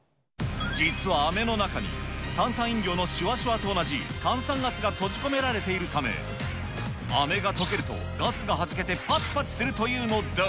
実は、あめの中に炭酸飲料のしゅわしゅわと同じ、炭酸ガスが閉じ込められているため、あめが溶けるとガスがはじけてぱちぱちするというのだ。